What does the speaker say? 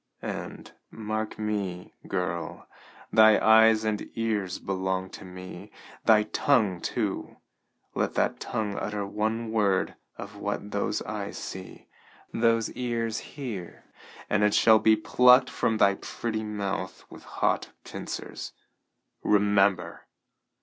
And, mark me, girl, thy eyes and ears belong to me. Thy tongue, too. Let that tongue utter one word of what those eyes see, those ears hear, and it shall be plucked from thy pretty mouth with hot pincers. Remember!"